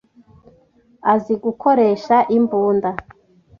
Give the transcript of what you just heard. azi gukoresha imbunda.